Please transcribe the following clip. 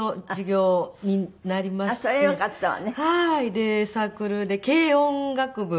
でサークルで軽音楽部。